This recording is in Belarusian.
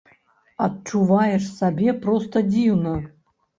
Адчуваеш сабе проста дзіўна.